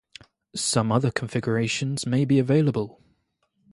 Some other configurations may be available.